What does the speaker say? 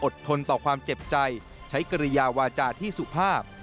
ทนต่อความเจ็บใจใช้กิริยาวาจาที่สุภาพ